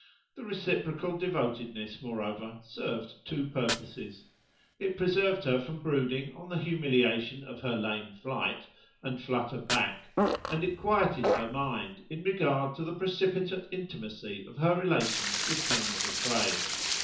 The reciprocal devotedness, moreover, served two purposes: it preserved her from brooding on the humiliation of her lame flight, and flutter back, and it quieted her mind in regard to the precipitate intimacy of her relations with Colonel De Craye.